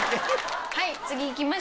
はい。